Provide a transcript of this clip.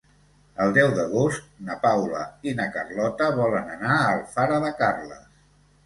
El deu d'agost na Paula i na Carlota volen anar a Alfara de Carles.